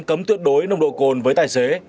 cấm tuyệt đối nồng độ cồn với tài xế